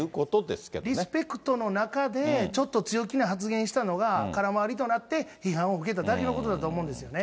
リスペクトの中で、ちょっと強気に発言したのが空回りとなって批判を受けただけのことだと思うんですよね。